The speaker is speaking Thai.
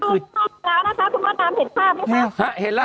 จะให้ดูจะให้ดูส่วนผู้ชมนมในขณะนี้นะคะ